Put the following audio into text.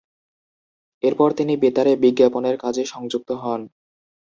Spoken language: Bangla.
এরপর তিনি বেতারে বিজ্ঞাপনের কাজে সংযুক্ত হন।